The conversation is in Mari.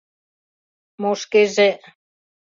— Мо шкеже...